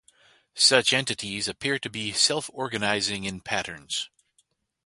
Such entities appear to be self-organizing in patterns.